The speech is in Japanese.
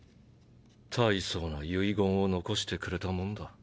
大層な遺言を残してくれたもんだ。